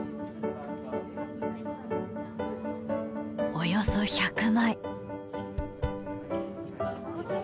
およそ１００枚。